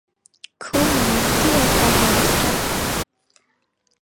খুবই মিষ্টি একটা হ্যামস্টার।